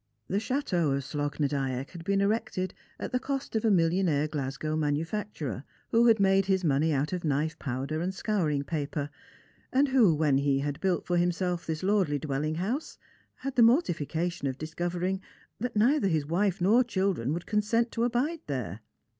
The chateau of Slogh na Dyack had been erected at the cost of a millionaii e Glasgow manufacturer, who had made jiis money out of knife powder and scoiiring paper, and who, when he had built for himself this lordly dwelling house, had the mortification of discovering that neither his wife nor children would consent to abide there.